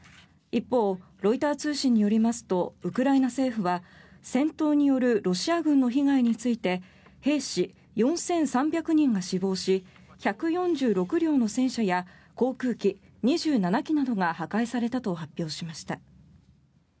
一方、ロイター通信によりますとウクライナ政府は戦闘によるロシア軍の被害について兵士４３００人が死亡し１４６両の戦車や航空機２７機などが破壊されたと発表しました。